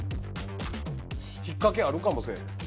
引っ掛けあるかもせえへん。